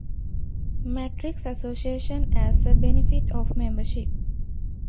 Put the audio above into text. Metric Association as a benefit of membership.